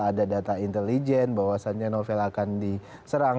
ada data intelijen bahwasannya novel akan diserang